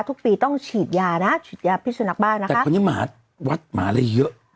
ทุกปีต้องฉีดยานะฉีดยาพิสุนักบ้านะคะแต่คนนี้หมาวัดหมาอะไรเยอะ